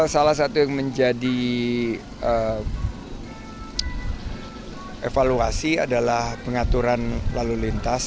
salah satu yang menjadi evaluasi adalah pengaturan lalu lintas